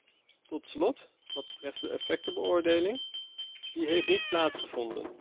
Tot slot, wat betreft de effectbeoordeling, die heeft niet plaatsgevonden.